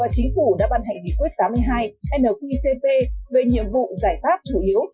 chính phủ đã ban hành nghị quyết tám mươi hai nqcp về nhiệm vụ giải pháp chủ yếu